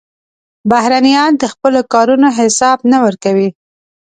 بهرنیان د خپلو کارونو حساب نه ورکوي.